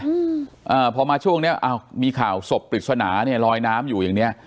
อืมอ่าพอมาช่วงเนี้ยอ้าวมีข่าวศพปริศนาเนี้ยลอยน้ำอยู่อย่างเนี้ย